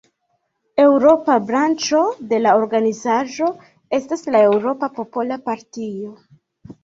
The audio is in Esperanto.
Eŭropa branĉo de la organizaĵo estas la Eŭropa Popola Partio.